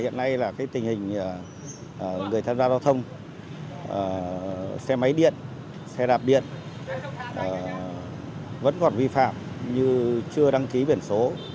hiện nay là tình hình người tham gia giao thông xe máy điện xe đạp điện vẫn còn vi phạm như chưa đăng ký biển số